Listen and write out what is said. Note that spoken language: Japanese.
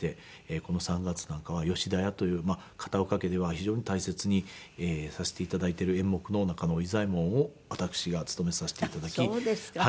この３月なんかは『吉田屋』という片岡家では非常に大切にさせて頂いている演目の中の伊左衛門を私が勤めさせて頂き。